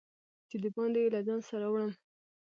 چې د باندي یې له ځان سره وړم